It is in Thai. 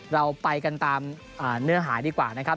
เราไปกันตามเนื้อหาดีกว่านะครับ